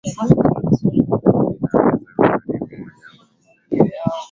Vinaweza kuharibu moja kwa moja matumbawe au sumu ya maji